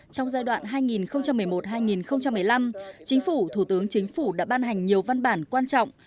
trong giai đoạn hai nghìn một mươi một hai nghìn một mươi năm chính phủ thủ tướng chính phủ đã ban hành nhiều văn bản quan trọng